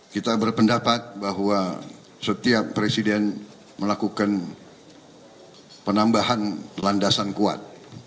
kita berpendapat bahwa setiap presiden melakukan penambahan landasan kuat